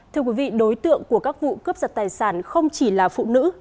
thưa quý vị đối tượng của các vụ cướp giật tài sản không chỉ là phụ nữ